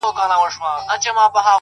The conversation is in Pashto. دوه زړونه په اورو کي د شدت له مينې ژاړي”